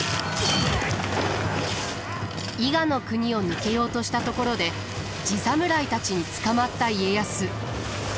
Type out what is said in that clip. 伊賀国を抜けようとしたところで地侍たちに捕まった家康。